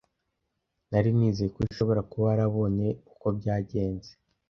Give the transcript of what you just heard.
Nari nizeye ko ushobora kuba warabonye uko byagenze.